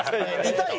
痛い？